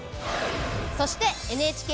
そしてＮＨＫＢＳ